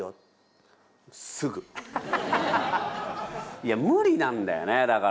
いや無理なんだよねだから。